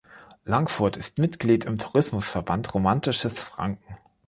Langfurth ist Mitglied im Tourismusverband Romantisches Franken.